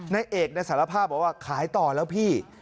ในเอกในสารภาพบอกว่าขายต่อแล้วพี่